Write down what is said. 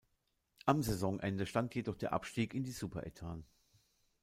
Am Saisonende stand jedoch der Abstieg in die Superettan.